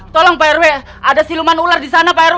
tolong pak rw ada siluman ular di sana pak rw